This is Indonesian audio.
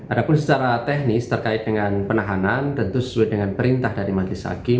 ada pun secara teknis terkait dengan penahanan tentu sesuai dengan perintah dari majelis hakim